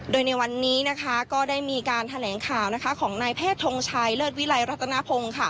โดยในวันนี้นะคะก็ได้มีการแถลงข่าวของนายแพทย์ทงชัยเลิศวิลัยรัฐนพงศ์